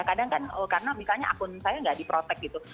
kadang kan karena misalnya akun saya nggak diprotek gitu